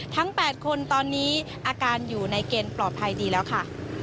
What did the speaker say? ทั้ง๘คนตอนนี้อาการอยู่ในเกณฑ์ปลอดภัยดีแล้วค่ะ